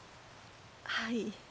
はい。